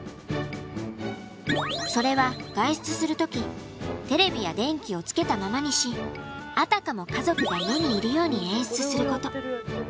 それは外出する時テレビや電気をつけたままにしあたかも家族が家にいるように演出すること。